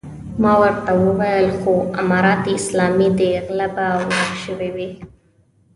ما ورته وويل خو امارت اسلامي دی غله به ورک شوي وي.